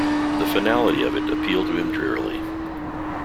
The finality of it appealed to him drearily.